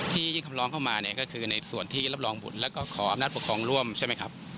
ยื่นคำร้องเข้ามาเนี่ยก็คือในส่วนที่รับรองบุตรแล้วก็ขออำนาจปกครองร่วมใช่ไหมครับ